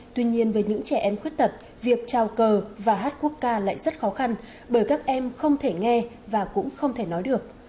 tuy nhiên với những trẻ em khuyết tật việc trao cờ và hát quốc ca lại rất khó khăn bởi các em không thể nghe và cũng không thể nói được